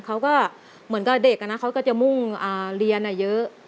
เขาก็เหมือนกับเด็กเขาก็จะมุ่งเรียนเยอะ